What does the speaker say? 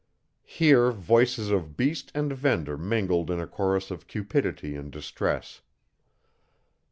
Here voices of beast and vendor mingled in a chorus of cupidity and distress.